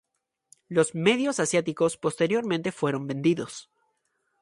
Los medios asiáticos posteriormente fueron vendidos.